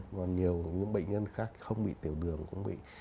còn nhiều những bệnh nhân khác không bị tiểu đường cũng bị